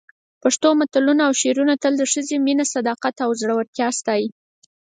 د پښتو متلونه او شعرونه تل د ښځې مینه، صداقت او زړورتیا ستایي.